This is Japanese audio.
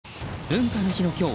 文化の日の今日